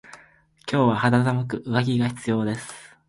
今日は肌寒く上着が必要です。